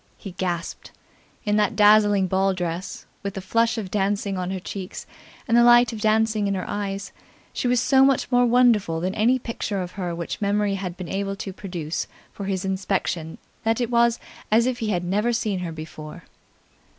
He gasped. In that dazzling ball dress, with the flush of dancing on her cheeks and the light of dancing in her eyes, she was so much more wonderful than any picture of her which memory had been able to produce for his inspection that it was as if he had never seen her before.